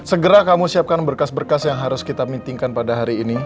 segera kamu siapkan berkas berkas yang harus kita meetingkan pada hari ini